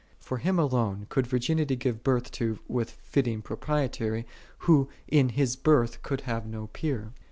For Him alone could virginity give birth to with fitting propriety, Who in His Birth could have no peer.